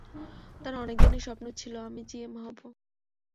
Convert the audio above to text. তার অনেক দিনের স্বপ্ন ছিল আমি জিএম হবো।